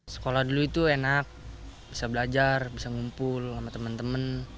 sekolah dulu itu enak bisa belajar bisa ngumpul sama teman teman